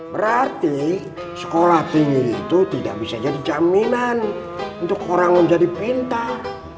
berarti sekolah tinggi itu tidak bisa jadi jaminan untuk orang menjadi pintar